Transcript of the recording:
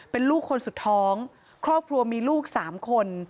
เป็นลูกคนสุดท้องครอบครัวมีลูก๓คน